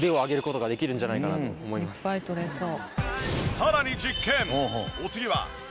さらに実験！